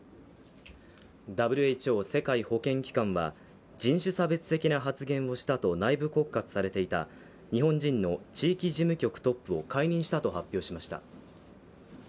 ＷＨＯ＝世界保健機関は人種差別的な発言をしたと内部告発されていた日本人の地域事務局トップを解任したと発表しました。